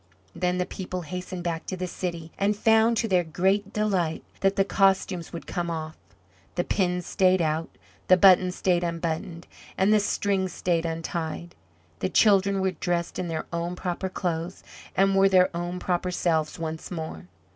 Then the people hastened back to the city, and found, to their great delight, that the costumes would come off. The pins stayed out, the buttons stayed unbuttoned, and the strings stayed untied. The children were dressed in their own proper clothes and were their own proper selves once more.